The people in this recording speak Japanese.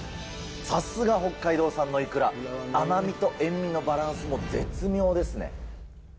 さすが北海道産のイクラ、甘みと塩味のバランスも絶妙ですね。